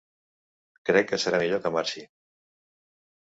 Crec que serà millor que marxi.